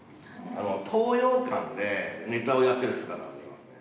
東洋館でネタをやってる姿が見えますね。